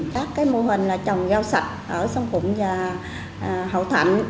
các mô hình trồng giao sạch ở sông cụm và hậu thạnh